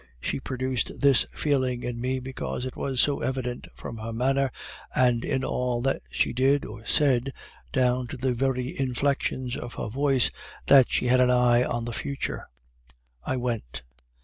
She produced this feeling in me, because it was so evident from her manner and in all that she did or said, down to the very inflections of her voice, that she had an eye to the future. I went.